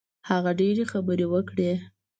هغه ډېرې خبرې وکړې.